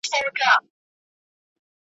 ډېر ویل د قران ښه دي ,